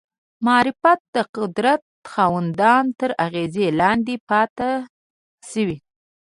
معرفت د قدرت خاوندانو تر اغېزې لاندې پاتې شوی